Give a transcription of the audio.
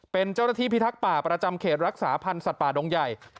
เป็นเจ้าหน้าที่พิทักษ์ป่าประจำเขตรักษาพันธ์สัตว์ป่าดงใหญ่